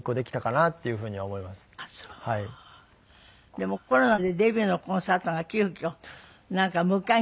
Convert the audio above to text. でもコロナでデビューのコンサートが急遽なんか無観客？